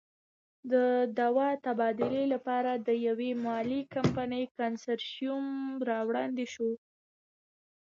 د داوطلبۍ لپاره د یوې مالي کمپنۍ کنسرشیوم را وړاندې شو.